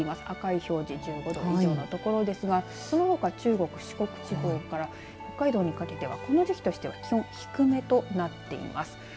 赤い表示１５度以上の所ですがそのほか中国、四国から北海道にかけては、この時期としては気温低めとなっています。